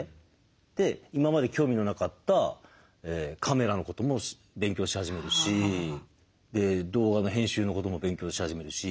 で今まで興味のなかったカメラのことも勉強し始めるし動画の編集のことも勉強し始めるし。